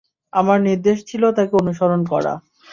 আমাদের নির্দেশ ছিল তাকে অনুসরণ করা।